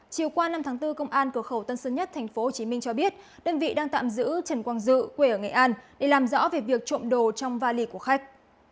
chiều qua năm tháng bốn công an cửa khẩu tân sơn nhất tp hcm cho biết đơn vị đang tạm giữ trần quang dự quê ở nghệ an để làm rõ về việc trộm đồ trong vali của khách